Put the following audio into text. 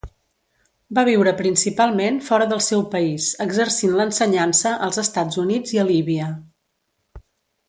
Va viure principalment fora del seu país exercint l'ensenyança als Estats Units i a Líbia.